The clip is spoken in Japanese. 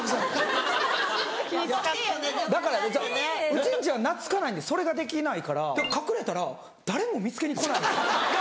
うちん家は懐かないんでそれができないから隠れたら誰も見つけに来ないんですよ。